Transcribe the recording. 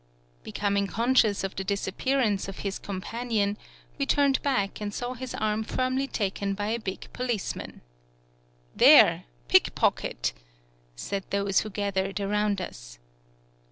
Becoming conscious of the disappear ance of his companion, we turned back and saw his arm firmly taken by a big policeman. "There! pickpocket!" said those who gathered around us.